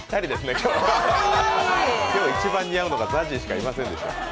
今日一番に合うのがＺＡＺＹしかいませんでした。